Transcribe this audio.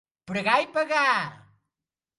Pregar i pagar.